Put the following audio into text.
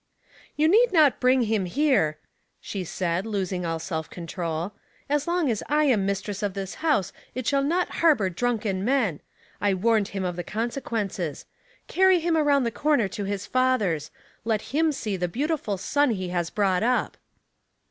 *' You need not bring him here," she said, losing all self control. *' As long as I am mis tress of this house, it shall not harbor drunken men. I warned him of the consequences. Carry him around the corner to his father's ; let him see the beautiful son he has brought up."